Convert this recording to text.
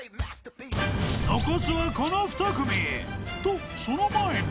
［残すはこの２組。とその前に］